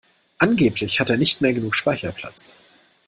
Angeblich hat er nicht mehr genug Speicherplatz.